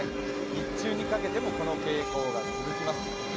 日中にかけてもこの傾向が続きます。